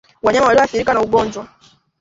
Wanyama walio athirika na ugonjwa